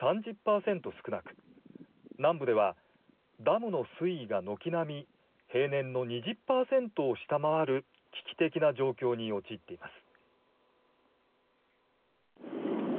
少なく南部では、ダムの水位が軒並み平年の２０％を下回る危機的な状況に陥っています。